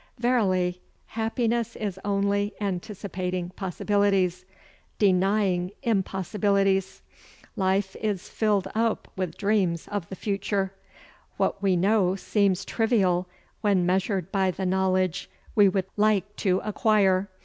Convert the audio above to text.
Verily happiness is only anticipating possibilities, denying impossibilities. Life is filled up with dreams of the future. What we know seems trivial when measured by the knowledge we would like to acquire.